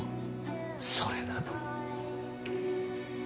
それなのに。